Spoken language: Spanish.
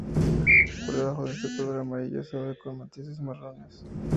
Por debajo es de color amarillo suave, con matices marrones.